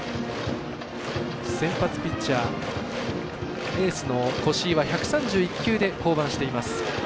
先発ピッチャーエースの越井は１３１球で降板しています。